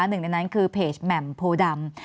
หนึ่งในนั้นคือเพจแหม่มโพดำ